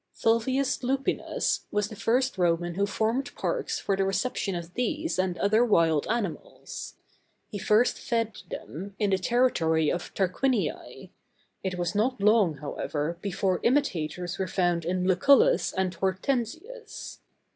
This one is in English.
[Illustration: WILD BOAR.—Sus Scrofa.] Fulvius Lupinus was the first Roman who formed parks for the reception of these and other wild animals: he first fed them in the territory of Tarquinii: it was not long, however, before imitators were found in Lucullus and Hortensius.